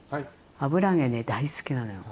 油揚げね大好きなのよ。